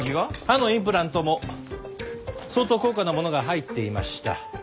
歯のインプラントも相当高価なものが入っていました。